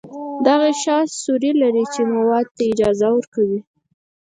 دا غشا سوري لري چې موادو ته اجازه ورکوي.